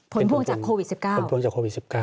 ผลพวงจากโควิด๑๙